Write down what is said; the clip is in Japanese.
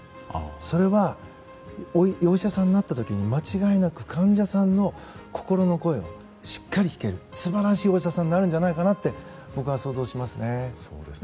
それはお医者さんになった時に間違いなく患者さんの心の声をしっかり聞ける素晴らしいお医者さんになるんじゃないかと想像します。